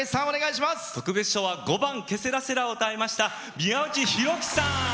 特別賞は５番「ケセラセラ」を歌いましたみやうちさん。